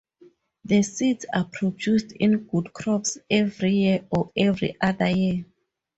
The seeds are produced in good crops every year or every-other year.